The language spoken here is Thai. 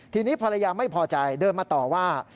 ทีนี้ภรรยาไม่พอใจเดินมาต่อว่า